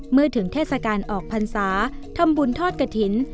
เมื่อถึงเทศกาลออกพรรษาทำบุญทอดกระถิ่น